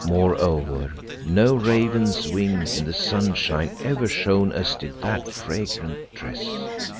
Moreover, no raven's wing in the sunshine ever shone as did that fragrant tress.